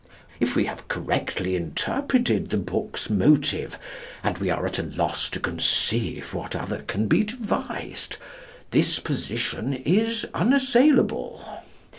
If we have correctly interpreted the book's motive and we are at a loss to conceive what other can be devised this position is unassailable.